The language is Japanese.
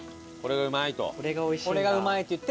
これがうまいと。